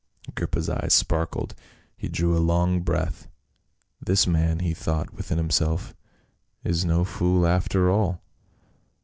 Agrippa's eyes sparkled, he drew a long breath. "This man," he thought within himself, "is no fool after all."